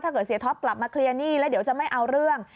เสียท็อปกลับมาเคลียร์หนี้แล้วเดี๋ยวจะไม่เอาเรื่อง